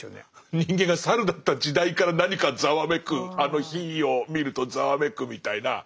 人間が猿だった時代から何かざわめく火を見るとざわめくみたいな。